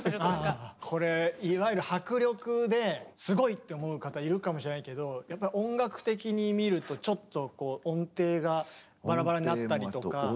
これいわゆる迫力ですごいって思う方いるかもしれないけどやっぱり音楽的に見るとちょっと音程がバラバラになったりとか。